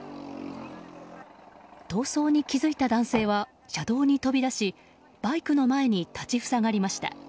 逃走に気づいた男性は車道に飛び出しバイクの前に立ち塞がりました。